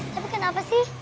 tapi kenapa sih